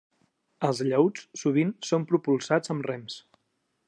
Els llaüts sovint són propulsats amb rems.